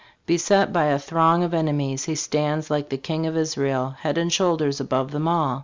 "Beset by a throng of enemies, he stands, like the King of Isarel, head and shoulders above them all.